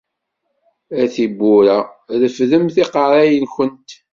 A tiwwura, refdemt iqerra-nkent.